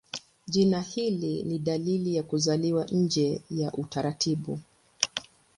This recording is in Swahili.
Jina hili ni dalili ya kuzaliwa nje ya utaratibu.